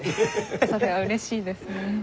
それはうれしいですね。